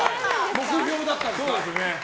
目標だったんですね。